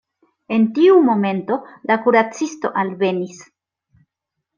En tiu momento la kuracisto alvenis.